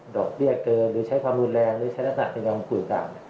ดอกเบี้ยเกินหรือใช้ความรุนแรงหรือใช้ลักษณะเป็นยอมคุยต่าง